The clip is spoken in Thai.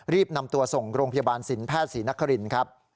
รีบนำตัวส่งโรงพยาบาลสินแพทย์ศรีนครินครับ